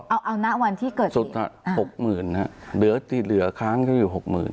เอาเอาณวันที่เกิดสุดท้ายหกหมื่นครับเดือดที่เหลือค้างจะอยู่หกหมื่น